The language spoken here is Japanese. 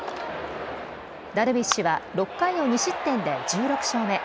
ダルビッシュは６回を２失点で１６勝目。